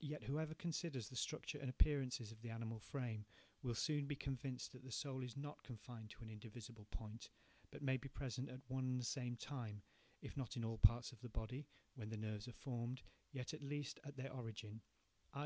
Yet whoever considers the structure and appearances of the animal frame, will soon be convinced that the soul is not confined to an indivisible point, but may be present at one and the same time, if not in all parts of the body, when the nerves are formed, yet, at least at their origin, i.